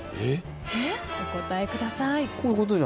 お答えください。